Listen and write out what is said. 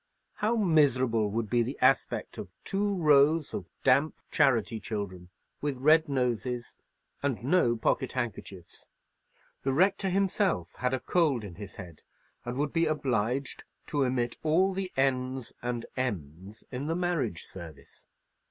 How miserable would be the aspect of two rows of damp charity children, with red noses and no pocket handkerchiefs! The rector himself had a cold in his head, and would be obliged to omit all the n's and m's in the marriage service.